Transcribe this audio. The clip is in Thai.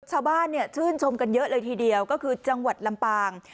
ชาวบ้านชื่นชมกันเยอะเลยทีเดียวก็คือจังหวัดลำปาง